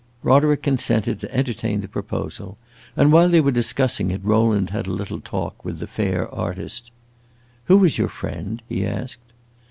Roderick consented to entertain the proposal, and while they were discussing it, Rowland had a little talk with the fair artist. "Who is your friend?" he asked.